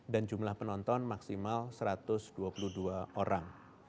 dan jumlah penonton maksimal satu ratus dua puluh dua orang